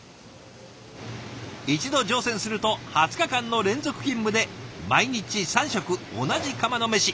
一度乗船すると２０日間の連続勤務で毎日３食同じ釜のメシ。